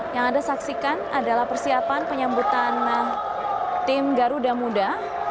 yang anda saksikan adalah persiapan penyambutan tim garuda muda